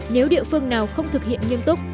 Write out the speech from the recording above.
nếu địa phương nào không thực hiện nghiêm túc